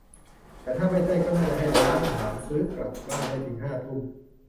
แต่ถ้าไม่ใช่ ก็น่าจะให้ร้านอาหาร ซื้อกลับบ้านได้ถึงห้าทุ่ม ?